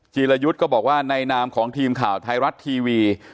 จีรยุทธ์ก็บอกว่าในนามของทีมข่าวไทยรัฐทีวี